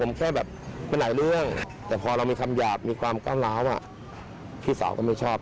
ไม่อยากให้ไปเวียร์นี้เลยไม่อยากให้ไปทางนี้เลย